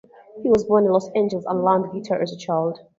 He was born in Los Angeles, and learned guitar as a child.